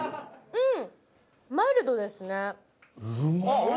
うん。